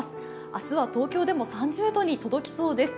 明日は東京でも３０度に届きそうです。